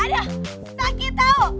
aduh pake tau